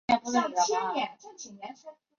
硫酸铁铵可当作分析试剂。